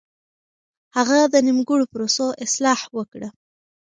هغه د نيمګړو پروسو اصلاح وکړه.